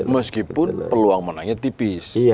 meskipun peluang menangnya tipis